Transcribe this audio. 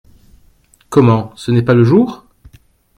Comment, ce n’est pas le jour ?